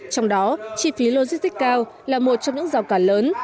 trong đó chi phí logistics cao là một trong những rào cản lớn